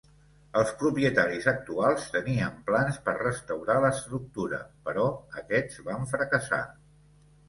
Els propietaris actuals tenien plans per restaurar l'estructura, però aquests van fracassar.